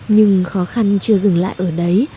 nhưng khó khăn chưa dừng lại ở đấy